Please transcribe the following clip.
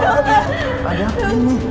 ada apa ini